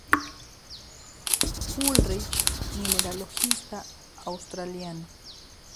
Ulrich, mineralogista australiano.